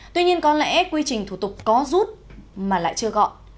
tuy nhiên có lẽ quy trình thủ tục có rút mà lại chưa gọn